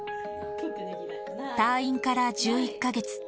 退院から１１か月。